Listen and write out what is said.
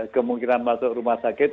kemungkinan masuk rumah sakit